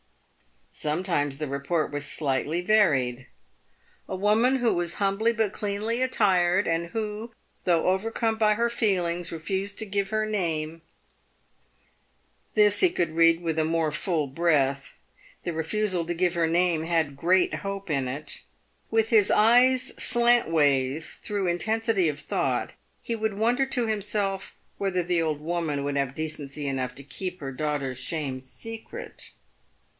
Sometimes the report was slightly varied :" A woman who was humbly but cleanly attired, and who, though overcome by her feelings, refused to give her name " This he could read with a more full breath. The refusal to give her name had great hope in it. "With his eyes slantways through in tensity of thought, he would wonder to himself " whether the old woman would have decency enough to keep her daughter's shame secret."